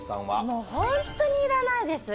もう本当にいらないです。